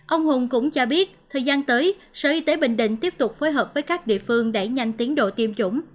ông hùng cũng cho biết thời gian tới sở y tế bình định tiếp tục phối hợp với các địa phương đẩy nhanh tiến độ tiêm chủng